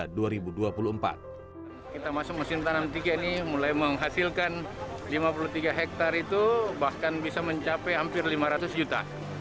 kita masuk mesin tanam tiga ini mulai menghasilkan lima puluh tiga hektare itu bahkan bisa mencapai hampir lima ratus juta